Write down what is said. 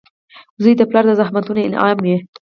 • زوی د پلار د زحمتونو انعام وي.